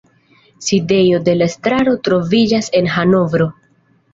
Sidejo de la estraro troviĝas en Hanovro.